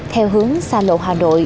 theo hướng xa lộ hà nội